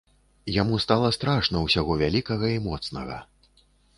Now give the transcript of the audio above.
Яму стала страшна ўсяго вялікага і моцнага.